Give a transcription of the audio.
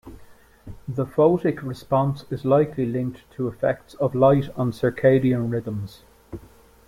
The photic response is likely linked to effects of light on circadian rhythms.